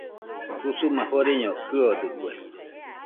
Usuma joreño kɨodɨkue.